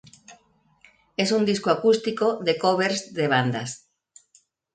Es un disco acústico de covers de bandas.